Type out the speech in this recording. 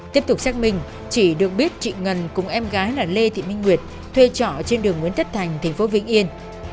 tiếp tục xác minh chỉ được biết chị ngân cùng em gái là lê thị minh nguyệt thuê trọ trên đường nguyễn thất thành tp vĩnh yên